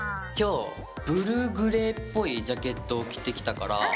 今日ブルーグレーっぽいジャケットを着てきたから。